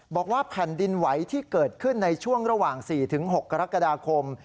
บอกว่าแผ่นดินไหวที่เกิดขึ้นในช่วงระหว่าง๔๖กรกฎาคม